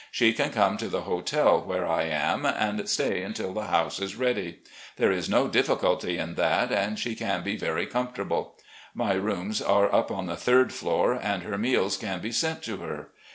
She can come to the hotel where I am, and stay until the house is ready. There is no difficulty in that, and she can be very comfortable. My rooms are up on the 3d floor and her meals can be sent to her.